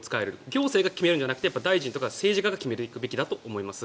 行政が決めるんじゃなくて大臣とか政治家が決めていくべきだと思います。